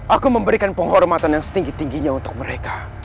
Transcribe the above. aku memberikan penghormatan yang setinggi tingginya untuk mereka